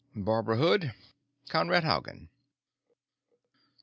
"Barbara Hood Conrad Haugen."